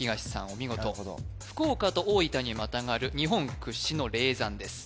お見事福岡と大分にまたがる日本屈指の霊山です